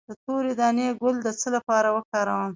د تورې دانې ګل د څه لپاره وکاروم؟